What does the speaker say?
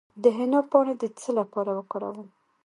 د حنا پاڼې د څه لپاره وکاروم؟